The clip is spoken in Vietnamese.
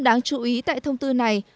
đáng chú ý tại thông tư này